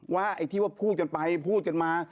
ไอ้ที่ว่าพูดกันไปพูดกันมา